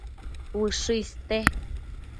Ushë iste